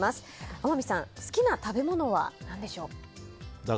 天海さん、好きな食べ物は何でしょう？